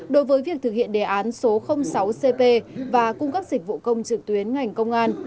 đối với việc thực hiện đề án số sáu cp và cung cấp dịch vụ công trực tuyến ngành công an